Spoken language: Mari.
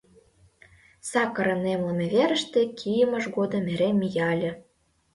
Сакарын эмлыме верыште кийымыж годым эре мия ыле.